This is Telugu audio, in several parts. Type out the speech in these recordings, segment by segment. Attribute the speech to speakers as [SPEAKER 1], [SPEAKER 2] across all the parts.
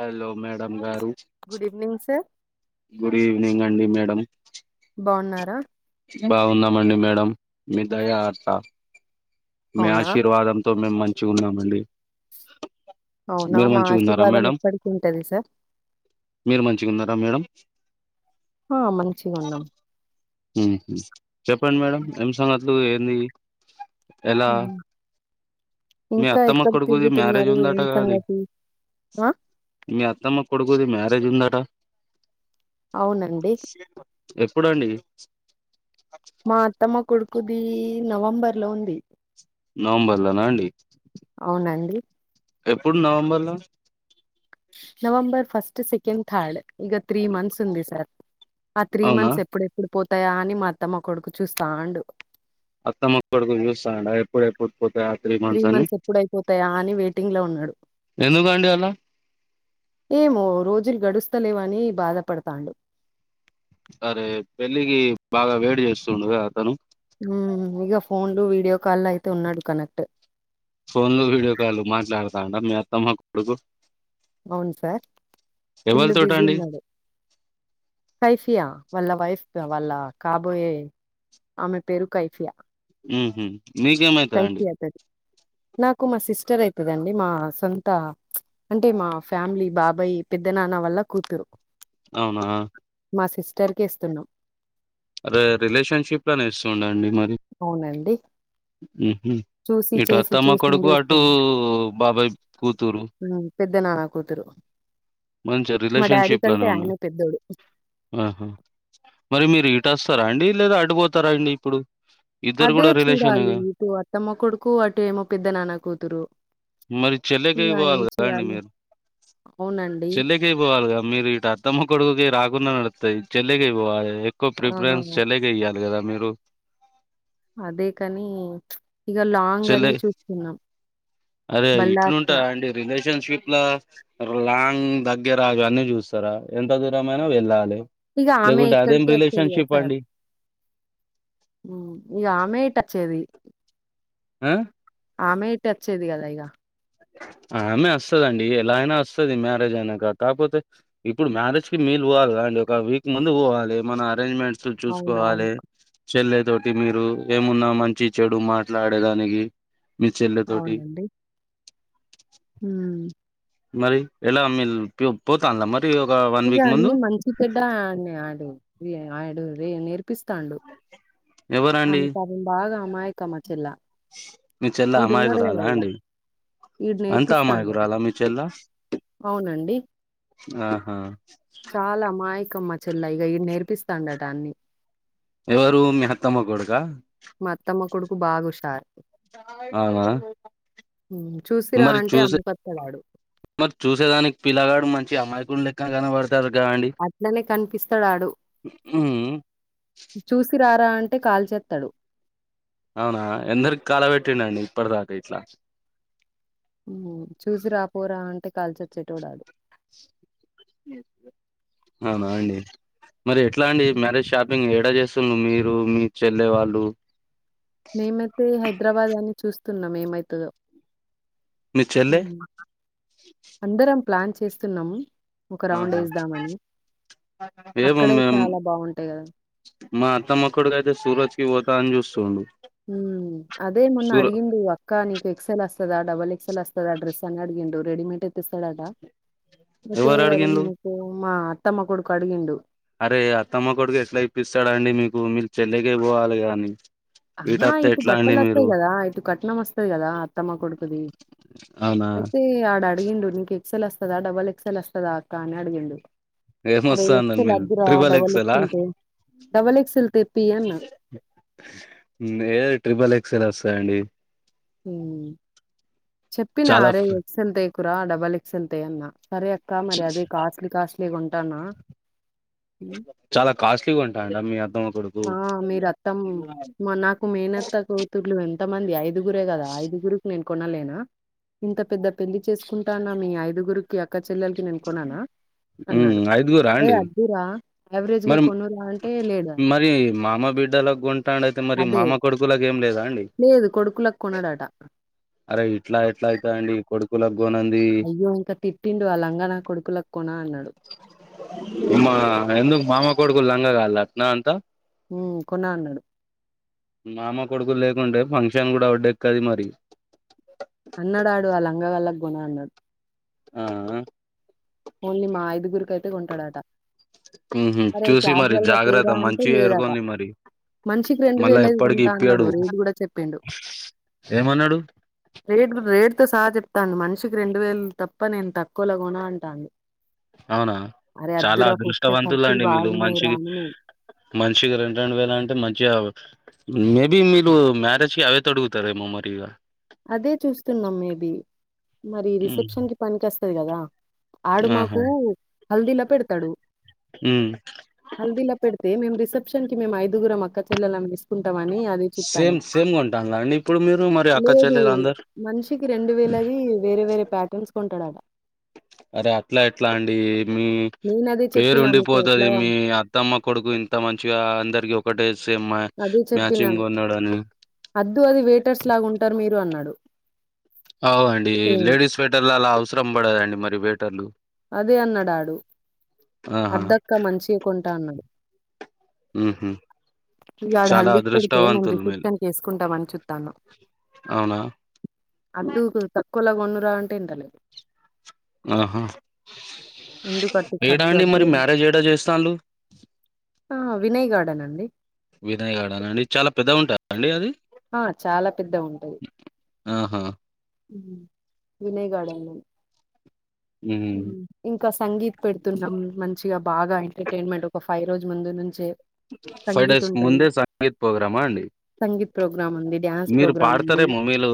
[SPEAKER 1] హలో మేడం గారు
[SPEAKER 2] good evening sir
[SPEAKER 1] good evening అండి మేడం
[SPEAKER 2] బా ఉన్నార
[SPEAKER 1] బాగున్నామండి మేడం మీ దయ ఆస మీ
[SPEAKER 2] అవునా
[SPEAKER 1] ఆశీర్వాదంతో మేము మంచిగ ఉన్నామండి
[SPEAKER 2] అవునా
[SPEAKER 1] మీరు
[SPEAKER 2] మా
[SPEAKER 1] మంచిగా ఉన్నారా
[SPEAKER 2] ఆశీర్వాదం
[SPEAKER 1] మేడం
[SPEAKER 2] ఎప్పటికి ఉంటది సార్
[SPEAKER 1] మీరు మంచిగ ఉన్నార మేడం
[SPEAKER 2] హ మంచిగా ఉన్నాం
[SPEAKER 1] ఉమ్ చెప్పండి మేడం ఎం సంగతులు ఏంది ఎలా
[SPEAKER 2] ఉమ్.
[SPEAKER 1] మీ
[SPEAKER 2] ఇంకా
[SPEAKER 1] అత్తమ్మ
[SPEAKER 2] ఎక్కడ
[SPEAKER 1] కొడుకుది మ్యారేజ్
[SPEAKER 2] తిరుగుతున్నారు ఏం
[SPEAKER 1] ఉందటగా అది
[SPEAKER 2] సంగతి ఆ
[SPEAKER 1] మీ అత్తమ్మ కొడుకుది మ్యారేజ్ ఉందట
[SPEAKER 2] అవునండి
[SPEAKER 1] ఎప్పుడు అండి
[SPEAKER 2] మా అత్తమ్మ కొడుకుది నవంబర్ లో ఉంది
[SPEAKER 1] నవంబర్ లనా అండి
[SPEAKER 2] అవునండి
[SPEAKER 1] ఎప్పుడు నవంబర్ లా
[SPEAKER 2] నవంబర్ ఫస్ట్ సెకెండ్ థర్డ్ ఇక త్రీ మంత్స్ ఉంది సార్ ఆ త్రీ
[SPEAKER 1] అవునా
[SPEAKER 2] మంత్స్ ఎప్పుడు ఎప్పుడు పోతాయా అని మా అత్తమ్మ కొడుకు చూస్తాండు
[SPEAKER 1] అత్తమ్మ కొడుకు చూస్తాండా ఎప్ ఎప్పుడు ఎప్పుడు పోతయా త్రీ మంత్స్ అని
[SPEAKER 2] ఎప్పుడైపోతాయా అని వెయిటింగ్ లో ఉన్నాడు
[SPEAKER 1] ఎందుకు అండి అలా
[SPEAKER 2] ఏమో రోజులు గడుస్తలేవని బాధపడతాండు
[SPEAKER 1] అరే పెళ్ళికి బాగా వేడి చేస్తుండుగా అతను
[SPEAKER 2] హూ ఇగ ఫోన్లు వీడియో కాల్ అయితే ఉన్నాడు కనెక్ట్
[SPEAKER 1] ఫోన్లు వీడియో కాల్ మాట్లాడుతండా మీ అత్తమ్మ కొడుకు
[SPEAKER 2] అవును సార్ ఫుల్లు
[SPEAKER 1] ఎవరితోట
[SPEAKER 2] బిజీ
[SPEAKER 1] అండి
[SPEAKER 2] ఉన్నడు కైఫియా వాళ్ళ వైఫ్ వాళ్ళ కాబోయే ఆమె పేరు కైఫియా
[SPEAKER 1] ఉహు మీకేమా
[SPEAKER 2] కైఫియా అయితది నాకు మా సిస్టర్ ఐతదండి మా సొంత అంటే మా ఫ్యామిలీ బాబాయ్ పెద్ద నాన్న వాళ్ళ కూతురు
[SPEAKER 1] అవునా
[SPEAKER 2] మా సిస్టర్ కే ఇస్తున్నాం
[SPEAKER 1] అరే రిలేషన్షిప్ లోనే ఇస్తుండ అండి మరి
[SPEAKER 2] అవునండి
[SPEAKER 1] ఉహు
[SPEAKER 2] చూసి
[SPEAKER 1] ఇటు
[SPEAKER 2] చేసి
[SPEAKER 1] అత్తమ్మ కొడుకు
[SPEAKER 2] చూసిందే
[SPEAKER 1] అటు
[SPEAKER 2] ఇస్తున్నాం.
[SPEAKER 1] బాబాయ్ కూతురు
[SPEAKER 2] పెద్ద నాన్న కూతురు
[SPEAKER 1] మంచి
[SPEAKER 2] మా డాడీ
[SPEAKER 1] రిలేషన్షిప్ లోనే
[SPEAKER 2] కంటే ఆయన
[SPEAKER 1] ఉన్నారు
[SPEAKER 2] పెద్దోడు
[SPEAKER 1] ఆహా మరి మీరు ఇటు వస్తారా అండి లేదా అటుపోతారా అండి ఇప్పుడు ఇద్దరు
[SPEAKER 2] అదే
[SPEAKER 1] కూడా
[SPEAKER 2] చూడాలి
[SPEAKER 1] రిలేషనేగా
[SPEAKER 2] ఇటు అత్తమ్మ కొడుకు అటు ఏమో పెద్ద నాన్న కూతురు
[SPEAKER 1] మరి
[SPEAKER 2] ఇగ
[SPEAKER 1] చెల్లకెయి
[SPEAKER 2] ఏం
[SPEAKER 1] పోవాలి కదా అండి
[SPEAKER 2] చేయాలి?
[SPEAKER 1] మీరు
[SPEAKER 2] అవునండి
[SPEAKER 1] యి పోవాలిగా మీరు ఇటు అత్తమ్మ కొడుకుకి రాకుండా నర్తది చెల్లకె పోవాలి క్కువ
[SPEAKER 2] ఆ!
[SPEAKER 1] ప్రిఫరెన్స్ చిల్లికె ఇయాలి కదా మీరు
[SPEAKER 2] అదే కాని ఇగ లా
[SPEAKER 1] చెల్లె అరే
[SPEAKER 2] బల్లార్స
[SPEAKER 1] ఇట్లుంటాదా అండి రిలేషన్షిప్ల లాంగ్ దగ్గర ఆగన్నీ చూస్తారా ఎంత దూరమైనా వెళ్ళాలి
[SPEAKER 2] ఇగ ఆమె
[SPEAKER 1] లేకుంటే అదేం
[SPEAKER 2] ఇక్కడికి వచ్చేది కదా
[SPEAKER 1] రిలేషన్షిప్ అండి
[SPEAKER 2] ఇగా ఆమె ఇటచ్చేది
[SPEAKER 1] ఆ
[SPEAKER 2] ఆమె ఇటు అచ్చేది కదా ఇగ
[SPEAKER 1] ఆమె వస్తదండి ఎలా అయినా వస్తది మ్యారేజ్ అయినంకా కాకపోతే ఇప్పుడు మ్యారేజ్కి మీరు పోవాలి కదా అండి ఒక వీక్ ముందు పోవాలి మన అరేంజ్మెంట్ చూ
[SPEAKER 2] అవునవును
[SPEAKER 1] చూసుకోవాలే చెల్లె తోటి మీరు ఏమున్నా మంచి చెడు మాట్లాడేదానికి మీ చెల్లె తోటి
[SPEAKER 2] ఉమ్
[SPEAKER 1] మరి ఎలా మీలు పోతన్లా మరి గా
[SPEAKER 2] ఇగ అన్ని మంచిచేడ్డ ఆడు ఆడు నేర్పిస్తాండు
[SPEAKER 1] ఎవరండి
[SPEAKER 2] ఆమె పాపం బాగా అమాయకం మచర్లా
[SPEAKER 1] మీ చెల్ల అమాయకురాలా అండి
[SPEAKER 2] ఈడు
[SPEAKER 1] అంత
[SPEAKER 2] నేర్పిస్తాండట
[SPEAKER 1] అమాయకురాల మీ చెల్ల
[SPEAKER 2] అవునండి
[SPEAKER 1] ఆహా
[SPEAKER 2] చాలా అమాయకం మా చెల్ల ఇగ ఇడు నేర్పిస్తాండట అన్ని
[SPEAKER 1] ఎవరు మీహత్తమ్మ కొడుక
[SPEAKER 2] మా అత్తమ్మ కొడుకు బాగా హుషారు
[SPEAKER 1] అవునా
[SPEAKER 2] చూసిరా
[SPEAKER 1] మరి
[SPEAKER 2] అంటే
[SPEAKER 1] చూసే
[SPEAKER 2] అమ్మకస్తడాడు
[SPEAKER 1] మరి చూసేదానికి పిల్లగాడు మంచి అమ్మాయికుని లెక్క కనపడు తర్ గండి
[SPEAKER 2] అట్లనే కనిపిస్తడాడు
[SPEAKER 1] మ్
[SPEAKER 2] చూసి రారా అంటే కాల్చస్తాడు
[SPEAKER 1] అవునా ఎందరికి కలబెట్టింఅండి ఇప్పటిదాకా ఇట్లా
[SPEAKER 2] చూసి రాపోరా అంటే కాల్చచ్చేటోడు ఆడు.
[SPEAKER 1] అవునా అండి మరి ఎట్లా అండి
[SPEAKER 2] హ్మ్.
[SPEAKER 1] మ్యారేజ్ షాపింగ్ ఏడా చేస్త మీరు మీ చెల్ల వాళ్ళు
[SPEAKER 2] మేమైతే హైదరాబాద్ అని చూస్తున్నాం ఏమైతదొ.
[SPEAKER 1] మీ చెల్లె
[SPEAKER 2] అందరం ప్లాన్ చేస్తున్నాము. ఒక రౌండ్
[SPEAKER 1] ఆహా
[SPEAKER 2] వేదామని
[SPEAKER 1] ఏమో
[SPEAKER 2] అక్కడే
[SPEAKER 1] మేం
[SPEAKER 2] చాలా బాగుంటాయి కదా.
[SPEAKER 1] మా అత్తమ్మకోడుకయితే సూరజ్ కి పోతా అని చూస్తుండు.
[SPEAKER 2] ఉమ్ అదే మొన్న
[SPEAKER 1] సూర
[SPEAKER 2] అడిగిండు అక్కా నీకు ఎక్సెల్ అస్తద డబల్ ఎక్ ఎక్సెల్ అస్తద డ్రెస్ అని అడిగిండు రెడిమేట్ తెస్తాడట అయితే
[SPEAKER 1] ఎవరు అడిగిండ్లు
[SPEAKER 2] మా అత్తమ్మ కొడుకు అడిగిండు
[SPEAKER 1] అరే అత్తమ్మ కొడుకు ఎట్లా ఇప్పిస్తాడండి మీకు మీ చెల్లక పోవాలి కానీ
[SPEAKER 2] ఆహా ఇటు బట్టలు వస్తాయి కదా ఇటు కట్నం వస్తది కదా అత్తమ్మ కొడుకుది.
[SPEAKER 1] అవునా
[SPEAKER 2] అయితే ఆడు అడిగిండు నీకు ఎక్సెల్ వస్తదా డబల్ ఎక్సల్ వస్తదా అక్క అని అడిగిండు అరే
[SPEAKER 1] ఏమొస్తుందండి
[SPEAKER 2] ఎక్సెల్
[SPEAKER 1] మీరు
[SPEAKER 2] అదురా
[SPEAKER 1] ట్రిబల్
[SPEAKER 2] డబల్ ఎక్స్
[SPEAKER 1] ఎక్సెలా
[SPEAKER 2] ఎల్ డబల్ ఎక్స్ ఎల్ తెపియి అన్న
[SPEAKER 1] ఏ ట్రిపుల్ ఎక్సల్ వస్తాయండి.
[SPEAKER 2] చెప్పిన
[SPEAKER 1] చాలా
[SPEAKER 2] అరే ఎక్సెల్ తేకురా డబల్ ఎక్సల్ తే అన్నా సరే కా మరి అదే కాస్ట్లీ కాస్ట్లీ కొంటానా
[SPEAKER 1] చాలా కాస్ట్లీ కొంటాండా మీ అత్తమ్మ కొడుకు
[SPEAKER 2] ఆ మీరు అత్తం మా నాకు మేనత్త కూతుర్లు ఎంతమంది. ఐదుగురే కదా ఐదుగురుకి నేను కొనలేనా ఇంత పెద్ద పెళ్లి చేసుకుంటా మీ ఐదుగురు. కి అక్క చెల్లెలకి నేను కొననా
[SPEAKER 1] మ్మ్
[SPEAKER 2] అన్నాడు
[SPEAKER 1] ఐదుగురా
[SPEAKER 2] ఏ
[SPEAKER 1] అండి
[SPEAKER 2] అద్ద్దూరా. యావరేజ్ గా
[SPEAKER 1] మరి
[SPEAKER 2] కొనుర అంటే లేదా.
[SPEAKER 1] మరి మామ బిడ్డలాకు కొంటాడు అయితే మరి
[SPEAKER 2] అదే
[SPEAKER 1] మామ కొడుకులాకి ఏం లేదా అండి.
[SPEAKER 2] లేదు కొడుకులకు కొనడట
[SPEAKER 1] అరే ఇట్లా ఎట్లా అయితదాండి. కొడుకులకు
[SPEAKER 2] అయ్యో ఇంకా తిట్టిండు అ లంగానా కొడుకులకు కోనా అన్నాడు.
[SPEAKER 1] అమ్మా ఎందుకు మామ కొడుకులు లాన్గగాల్త్నా అంత.
[SPEAKER 2] కొన అన్నాడు.
[SPEAKER 1] మామ కొడుకులు లేకుంటే ఫంక్షన్ కూడా ఒడ్డు ఎక్కది మరి
[SPEAKER 2] అన్నాడు ఆడు ఆ లంగ గళ్ళకు కోన అన్నాడు.
[SPEAKER 1] ఆ ఆ
[SPEAKER 2] ఓన్లీ మా ఐదుగురికైతే కొంటాడట
[SPEAKER 1] మ్ హు
[SPEAKER 2] "అరే!
[SPEAKER 1] చూసి మరి
[SPEAKER 2] క్యాజువల్‌గా తేరా"
[SPEAKER 1] జాగ్రత్త
[SPEAKER 2] అంటే
[SPEAKER 1] మంచియి
[SPEAKER 2] లేదట.
[SPEAKER 1] ఎరుకొండి మరి
[SPEAKER 2] మనిషికి
[SPEAKER 1] మళ్ళా ఎప్పటికి
[SPEAKER 2] కొంటా అన్నాడు.
[SPEAKER 1] ఇప్పియ్యడు
[SPEAKER 2] రేట్ గూడా చెప్పిండు.
[SPEAKER 1] ఏమన్నాడు
[SPEAKER 2] రేట్ రేటు తో సహా చెప్తాండు మనిషికి రెండు వేలు తప్ప నేను తక్కువలా కోన అంటండు
[SPEAKER 1] అవునా చాలా
[SPEAKER 2] ఫస్టే
[SPEAKER 1] అదృష్టవంతుల
[SPEAKER 2] ఖర్చులు
[SPEAKER 1] అండి మీలు మంచి
[SPEAKER 2] బాగున్నాయిరా అని మేం.
[SPEAKER 1] మంచిగా రెండు రెండు వేలు అంటే మంచిగా మేబి మీరు మ్యారేజ్ కి అవే తొడుగుతారెమో మరి ఇగ
[SPEAKER 2] అదే చూస్తున్నాం మేబి మరి
[SPEAKER 1] హ్మ్.
[SPEAKER 2] రిసెప్షన్ కి పనికోస్తది కదా ఆడు మాకు
[SPEAKER 1] ఆహా
[SPEAKER 2] హల్దీలా పెడుతాడు
[SPEAKER 1] హ్మ్.
[SPEAKER 2] హల్దీలో పెడితే మేము రిసెప్షన్ కి మేము ఐదుగురమక్క చెల్లలం వేసుకుంటమని అది చూత్తాన్నం.
[SPEAKER 1] సేమ్ సేమ్ కొంటాల్లా అండి ఇప్పుడు మీరు మర్
[SPEAKER 2] లేదు మనిషికి రెండు వేలది వేరే వేరే ప్యాటర్న్స్ కొంటాడట
[SPEAKER 1] అరే అట్లా ఎట్లా అండి మ్
[SPEAKER 2] నేను అదే
[SPEAKER 1] పేరు
[SPEAKER 2] చెప్పినా నీకు
[SPEAKER 1] ఉండిపోతది
[SPEAKER 2] ఎట్లా
[SPEAKER 1] మీ అ త్తమ్మ కొడుకు ఇంత మంచిగా అందరికి ఒకటే సేమ్ మ్యాచింగ్ కోన్నాడని
[SPEAKER 2] వద్దు అది వేటర్స్ లాగా ఉంటారు మీరు అన్నాడు
[SPEAKER 1] అవు అండి
[SPEAKER 2] సేమ్
[SPEAKER 1] లేడీస్ స్వేటర్లళ్ళ అవసరం పడదండి మరి వేటర్లు
[SPEAKER 2] అదే అన్నాడాడు
[SPEAKER 1] ఆహా
[SPEAKER 2] అద్దక్క మంచియే కొంట అన్నాడు
[SPEAKER 1] మ్ హూ
[SPEAKER 2] ఇగ ఆడు హల్దిీకి పెడితే మేము
[SPEAKER 1] మీరు
[SPEAKER 2] రిసెప్షన్కి వేసుకుంటమని చూతనం
[SPEAKER 1] అవునా
[SPEAKER 2] అద్దు కొద్దిగా తక్కువల కొనురా అంటే ఇంటలేడు
[SPEAKER 1] ఆహ
[SPEAKER 2] ఎందుకు అట్టి
[SPEAKER 1] ఏడా
[SPEAKER 2] ఖర్చు
[SPEAKER 1] అండి
[SPEAKER 2] అద్దు
[SPEAKER 1] మరి
[SPEAKER 2] అంటే
[SPEAKER 1] మ్యారేజ్ ఏడా చేస్తాళ్ళు
[SPEAKER 2] ఆ వినయ్ గార్డెన్ అండి
[SPEAKER 1] వినయ్ గడన్ అండి చాలా పెద్దగుంటద అండి అది
[SPEAKER 2] ఆ చాలా పెద్దగుంటది
[SPEAKER 1] ఆహా
[SPEAKER 2] మ్ వినయ్ గార్డన్లన్
[SPEAKER 1] మ్మ్
[SPEAKER 2] మ్ ఇంకా సంగీత్ పెడుతున్నాం మంచిగా బాగా ఎంటర్టైన్మెంట్ ఒక ఫైవ్ రోజు ముందు నుంచే
[SPEAKER 1] ఫైవ్
[SPEAKER 2] సంగీత్
[SPEAKER 1] డేస్
[SPEAKER 2] ఉంటది.
[SPEAKER 1] ముందే సంగీత్ ప్రోగ్రామా అండి
[SPEAKER 2] సంగీత్ ప్రోగ్రామ్ ఉంది డ్యాన్స్ ప్రోగ్రామ్ ఉంది.
[SPEAKER 1] ఆడతారేమో మీలు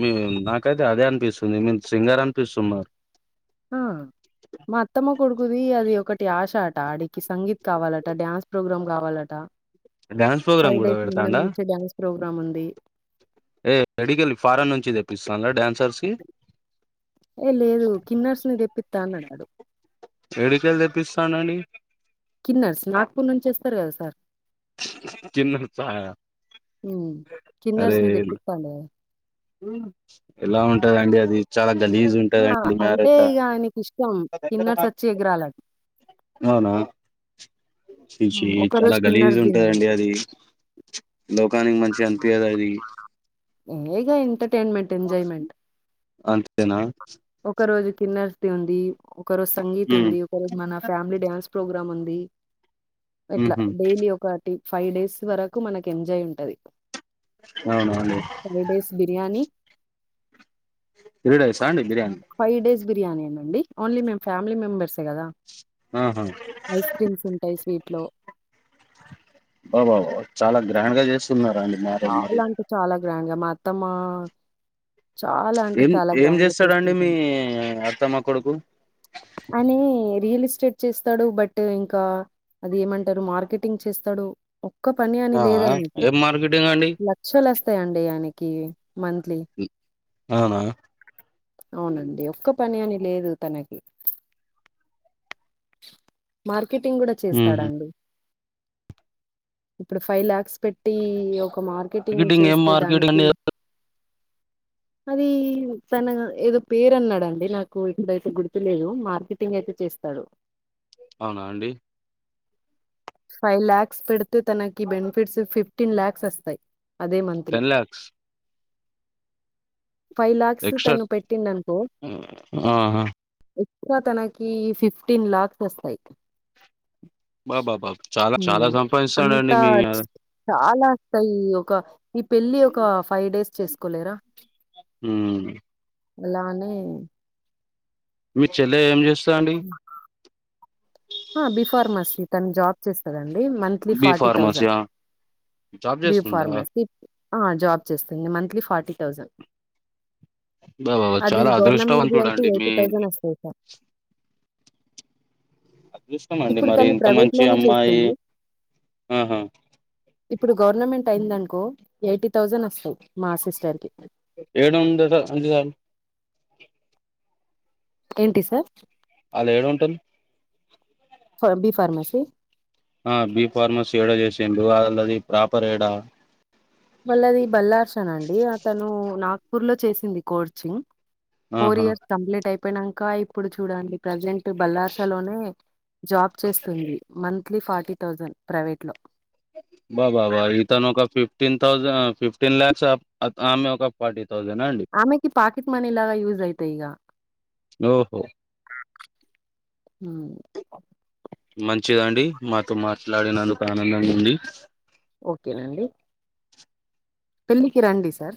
[SPEAKER 1] మీ నాకైతే అదే అనిపిస్తుంది మీర్ సింగర్ అనిపిస్తుంది నాక్
[SPEAKER 2] ఆ మా అత్తమ్మ కొడుకుది అది ఒకటి ఆశ అట ఆడికి సంగీత్ కావాలట డ్యాన్స్ ప్రోగ్రామ్ కావాలట
[SPEAKER 1] డ్యాన్స్ ప్రోగ్రామ్
[SPEAKER 2] ఫైవ్
[SPEAKER 1] కూడా
[SPEAKER 2] డేస్ ముందు
[SPEAKER 1] పెడతాండా
[SPEAKER 2] నుంచే డ్యాన్స్ ప్రోగ్రామ్ ఉంది
[SPEAKER 1] ఏ ఎడికెళ్ళి ఫారెన్ నుంచి తెప్పిస్తళ్ళ డ్యాన్సర్స్ కి
[SPEAKER 2] ఏ లేదు కిన్నర్స్ ని తెెప్పిత్తా అన్నాడు ఆడు
[SPEAKER 1] ఎడికెళ్ళి తెప్పిస్తాడండి
[SPEAKER 2] కిన్నారు నాగపూర్ నుంచి వస్తారు కదా సార్
[SPEAKER 1] కిన్నార్స్ అ
[SPEAKER 2] మ్ కిన్నర్స్ ను తెప్పితాండే
[SPEAKER 1] ఎలా ఉంటదండి అది చాలా గలీజ్
[SPEAKER 2] ఆ
[SPEAKER 1] ఉంటదండి
[SPEAKER 2] అంటే
[SPEAKER 1] మ్యారేజ్ లా
[SPEAKER 2] ఇగ ఆయనకు ఇష్టం కిన్నర్స్ వచ్చి ఎగరాలన్
[SPEAKER 1] అవునా చి చి
[SPEAKER 2] ఒక
[SPEAKER 1] చాలా
[SPEAKER 2] రోజు
[SPEAKER 1] గలీజ్
[SPEAKER 2] కిన్నర్స్ ది ఉంది.
[SPEAKER 1] ఉంటదండి అది లోకానికి మంచిగనిపియదు అది
[SPEAKER 2] ఏ ఇగా ఎంటర్టైన్మెంట్ ఎంజాయ్మెంట్
[SPEAKER 1] అంతేనా
[SPEAKER 2] ఒక రోజు కిన్నర్తి ఉంది ఒక రో సంగీత్
[SPEAKER 1] ఉమ్
[SPEAKER 2] ఉంది కెల్ మన ఫ్యామిలీ డ్యాన్స్ ప్రోగ్రామ్ ఉంది ఎట్లా
[SPEAKER 1] ఉహు
[SPEAKER 2] డైలీ ఒక్ క్వాటి ఫైవ్ డేస్ వరకు మనక్ ఎంజాయ్ ఉంటది
[SPEAKER 1] అవునాండి
[SPEAKER 2] ఫ్రై డేస్ బిర్యానీ
[SPEAKER 1] త్రీడేస్ ఆండి బిర్యానీ
[SPEAKER 2] ఫైవ్ డేస్ బిర్యానే నండి ఓన్లీ మేమ్ ఫ్యామిలీ మెంబర్సే గదా
[SPEAKER 1] ఆహ
[SPEAKER 2] ఐస్ క్రీమ్స్ ఉంటాయ్ స్వీట్ లో
[SPEAKER 1] బా బాబ చాలా గ్రాండ్ గా చేస్తున్న రాండి
[SPEAKER 2] చాల్ అంటే చాలా గ్రాండ్ గా మా అత్తమ్మా చాలా అంటే
[SPEAKER 1] ఏం
[SPEAKER 2] చాలా
[SPEAKER 1] ఏం
[SPEAKER 2] గ్రాండ్గా
[SPEAKER 1] చేస్తాడండి మీ
[SPEAKER 2] చేస్కుంటున్
[SPEAKER 1] అత్తమ్మ కొడుకు
[SPEAKER 2] అనీ రియల్ ఎస్టేట్ చేస్తాడు బట్ ఇంకా అది ఏమంటారు మార్కెటింగ్ చేస్తాడు ఒక్క పని అని
[SPEAKER 1] ఆ ఆ
[SPEAKER 2] లేదన్ కి
[SPEAKER 1] ఏం మార్కెటింగ్ అండి
[SPEAKER 2] లక్షల్ ఒస్తాయండి ఆయనకి మంత్లీ
[SPEAKER 1] ఆవునా
[SPEAKER 2] అవునండి ఒక్క పని అని లేదు తనకి మార్కెటింగ్ గూడా
[SPEAKER 1] ఉహు
[SPEAKER 2] చేస్తాడాండి ఇప్పుడు ఫైవ్ లాక్స్ పెట్టి ఒక మార్ కెటింగ్
[SPEAKER 1] మార్కెటింగ్ ఏం
[SPEAKER 2] చేస్తే
[SPEAKER 1] మార్కెటింగ్
[SPEAKER 2] దానికి
[SPEAKER 1] అండి
[SPEAKER 2] అది తన ఏదో పేరన్నాడండి నాకు ఇప్పుడైతే గుర్తు లేదు మార్కెటింగయితే చేస్తాడు
[SPEAKER 1] అవునా అండి
[SPEAKER 2] ఫైవ్ ల్యాక్స్ పెడితే తనకి బెనిఫిట్స్ ఫిఫ్టీన్ లాక్స్ ఒస్తాయ్ అదే మంత్ లో
[SPEAKER 1] ten lakhs
[SPEAKER 2] five lakhs
[SPEAKER 1] extra
[SPEAKER 2] తను పెట్టిండనుకో
[SPEAKER 1] ఆహా
[SPEAKER 2] ఎక్స్ట్రా తనకి ఫిఫ్టీన్ లాక్ తెస్తాయ్
[SPEAKER 1] బా బా బాబ్ చాలా చాలా సంపాదిస్తడండి మీ ఆద
[SPEAKER 2] చాలాస్తయ్య్ ఒక ఈ పెళ్ళి ఒక ఫైవ్ డేస్ చేసుకోలేరా
[SPEAKER 1] ఉమ్
[SPEAKER 2] ఎలానే
[SPEAKER 1] మీ చెల్లె ఏం జేస్తాన్
[SPEAKER 2] అ బి ఫార్మసీ తన జాబ్ చేస్తందండి మంత్ త్లీ
[SPEAKER 1] బి
[SPEAKER 2] ఫార్టీ థౌసన్
[SPEAKER 1] ఫార్మసీయా జాబ్
[SPEAKER 2] బి
[SPEAKER 1] చేస్తుందా
[SPEAKER 2] ఫార్మసి అ జాబ్ చేస్తుంది మంత్లీ ఫార్టీ థౌసండ్
[SPEAKER 1] అబ్బబ్బ
[SPEAKER 2] అది
[SPEAKER 1] చాలా
[SPEAKER 2] గవర్నమెంట్దిి అయితే
[SPEAKER 1] అదృష్టవంతుడండి మీ
[SPEAKER 2] ఎయిటీ థౌసండ్ ఒస్తాయిక
[SPEAKER 1] జూస్తామండి
[SPEAKER 2] ఇప్పుడు
[SPEAKER 1] మరి
[SPEAKER 2] తను
[SPEAKER 1] ఇంత
[SPEAKER 2] ప్రైవేట్
[SPEAKER 1] మంచి
[SPEAKER 2] లోనే
[SPEAKER 1] అమ్మాయి
[SPEAKER 2] చేస్తుంది
[SPEAKER 1] ఆహా
[SPEAKER 2] ఇప్పుడు గవర్నమెంట్ అయిందనుకో ఎయిటీ థౌజన్ ఒస్తయ్ మా సిస్టర్ కి
[SPEAKER 1] ఏడుందద అంటి దన్
[SPEAKER 2] ఏంటి సార్
[SPEAKER 1] ఆళ్ళేడుంటరు
[SPEAKER 2] ఫ బి ఫార్మసి
[SPEAKER 1] అ బీ ఫార్మసి ఏడ చేశిండు అ ఆళ్ళది ప్రాపర్ ఏడా
[SPEAKER 2] వళ్ళది బల్లార్సన్ అండి అతను నాగ్పూర్ లో చేసింది కోర్చు ఫోర్
[SPEAKER 1] ఆహా
[SPEAKER 2] ఇయర్స్ కంప్లీట్ అయిపోయినంక ఇప్పుడు చూడండి ప్రజెంట్ బల్లార్స లోనే జాబ్ చేస్తుంది మంత్లీ ఫార్టీ థౌజండ్ ప్రైవేట్ లో
[SPEAKER 1] బా బా బా ఇతను ఒక ఫిఫ్టీన్ థౌజండ్ ఫిఫ్టీన్ ల్యాక్స్ ఆమె ఒక ఫార్టీ థౌసన్ ఆ అండి
[SPEAKER 2] ఆమెకి పాకెట్ మనీ లాగా యూజ్ అయితాయి ఇంగ
[SPEAKER 1] ఓహో
[SPEAKER 2] మ్
[SPEAKER 1] మంచిదండి మాతో మాట్లాడినందుకు ఆనందంగా ఉంది.
[SPEAKER 2] ఓకెనండి పెళ్ళికి రాండి సార్